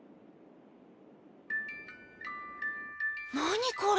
何これ？